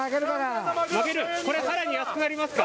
これ、更に安くなりますか？